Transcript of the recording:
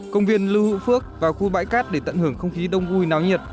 công viên lưu hữu phước và khu bãi cát để tận hưởng không khí đông vui náo nhiệt